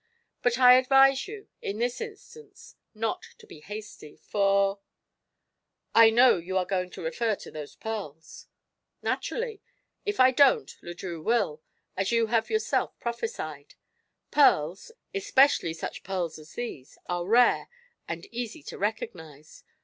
But I advise you, in this instance, not to be hasty, for " "I know; you are going to refer to those pearls." "Naturally. If I don't, Le Drieux will, as you have yourself prophesied. Pearls especially such pearls as these are rare and easy to recognize.